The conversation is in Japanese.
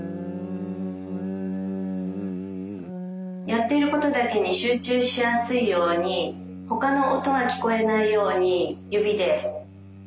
やっていることだけに集中しやすいようにほかの音が聞こえないように指で耳を塞ぐっていうこと。